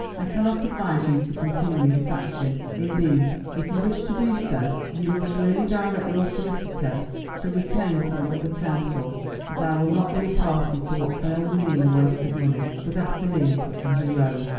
I cannot advise you to continue this action. Indeed, if you wish to do so, you must really direct your solicitor to retain some other counsel, as I will not be a party to what can only mean a waste of money. Good afternoon," and he rose.